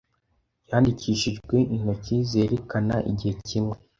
yandikishijwe intoki zerekana igihe kimwe